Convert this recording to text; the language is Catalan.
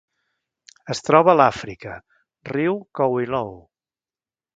Es troba a Àfrica: riu Kouilou.